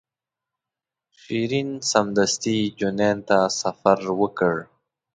شیرین سمدستي جنین ته سفر وکړ.